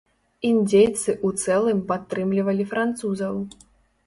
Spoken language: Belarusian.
Індзейцы ў цэлым падтрымлівалі французаў.